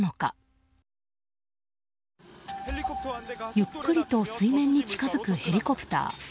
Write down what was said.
ゆっくりと水面に近づくヘリコプター。